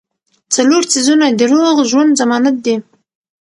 څلور څيزونه د روغ ژوند ضمانت دي -